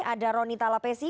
ada ronny talapesi